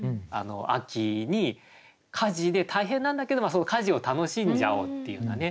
秋に家事で大変なんだけどその家事を楽しんじゃおうっていうようなね。